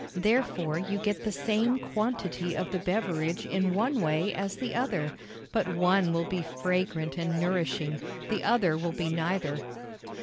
Therefore, you get the same quantity of the beverage in one way as the other; but one will be fragrant and nourishing, the other will be neither.